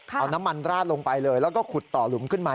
เอาน้ำมันราดลงไปเลยแล้วก็ขุดต่อหลุมขึ้นมา